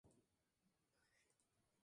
Su distribución internacional ha sido dispar.